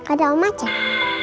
ada om achan